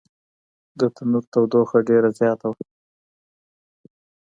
د تنور تودوخه ډېره زیاته وه.